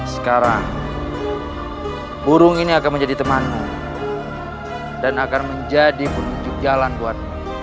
sekarang burung ini akan menjadi temanmu dan akan menjadi penunjuk jalan buatmu